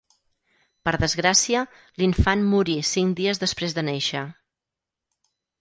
Per desgràcia l'infant morí cinc dies després de néixer.